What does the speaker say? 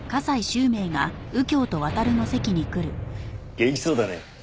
元気そうだね。